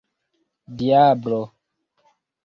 diablo